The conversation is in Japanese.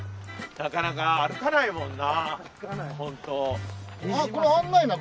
なかなか歩かないもんな。